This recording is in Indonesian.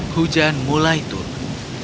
hujan mulai turun